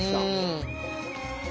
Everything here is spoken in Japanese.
うん。